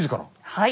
はい。